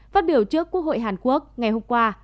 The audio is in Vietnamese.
phát biểu trước quốc hội hàn quốc ngày hôm qua